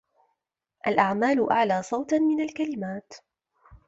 الأعمال أعلى صوتاً من الكلمات.